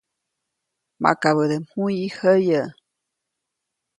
Makabäde mjuyi jäyäʼ.